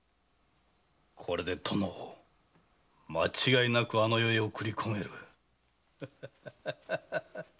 これで殿を間違いなくあの世へ送り込める〕